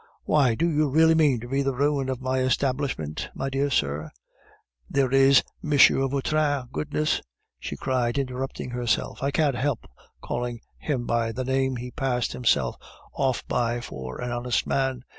"Why, do you really mean to be the ruin of my establishment, my dear sir? There is M. Vautrin Goodness," she cried, interrupting herself, "I can't help calling him by the name he passed himself off by for an honest man!